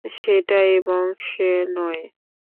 সেটা এ বংশে নয়।